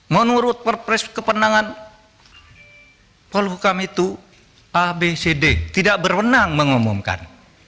menurut perspektif kewenangan polhukam itu abcd tidak berwenang mengumumkan